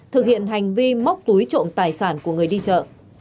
thực hiện hành vi móc túi trộm tài sản của người đi chợ